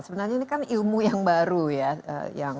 sebenarnya ini kan ilmu yang baru ya